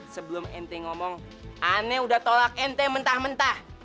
sebelum ente ngomong aneh udah tolak ente mentah mentah